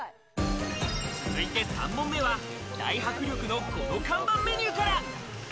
続いて３問目は大迫力のこの看板メニューから。